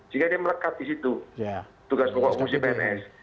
jika dia melekat di situ tugas pokok musim pns